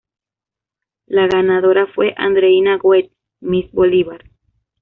La ganadora fue Andreína Goetz, Miss Bolívar.